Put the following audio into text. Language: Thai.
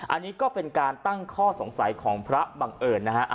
อันนี้ก็เป็นการตั้งข้อสงสัยของพระบังเอิญนะฮะ